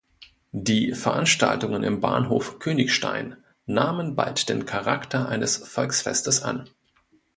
Die Veranstaltungen im Bahnhof Königstein nahmen bald den Charakter eines Volksfestes an.